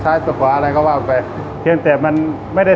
สวัสดีครับผมชื่อสามารถชานุบาลชื่อเล่นว่าขิงถ่ายหนังสุ่นแห่ง